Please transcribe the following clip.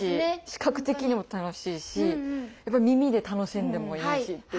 視覚的にも楽しいし耳で楽しんでもいいしっていう。